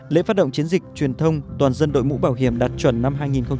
lễ phát động chiến dịch truyền thông toàn dân đội mũ bảo hiểm đạt chuẩn năm hai nghìn hai mươi